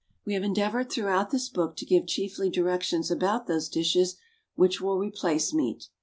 We have endeavoured throughout this book to give chiefly directions about those dishes which will replace meat.